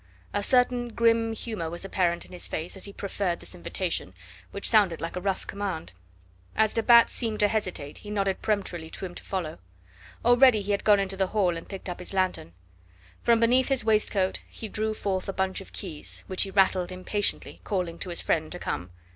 A certain grim humour was apparent in his face as he proffered this invitation, which sounded like a rough command. As de Batz seemed to hesitate he nodded peremptorily to him to follow. Already he had gone into the hall and picked up his lanthorn. From beneath his waistcoat he drew forth a bunch of keys, which he rattled impatiently, calling to his friend to come.